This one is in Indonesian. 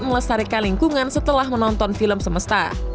melestarikan lingkungan setelah menonton film semesta